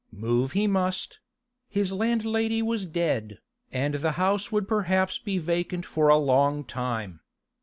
Move he must; his landlady was dead, and the house would perhaps be vacant for a long time.